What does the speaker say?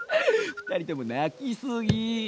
２人とも泣きすぎ！